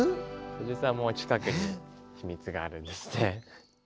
実はもう近くに秘密があるんですね。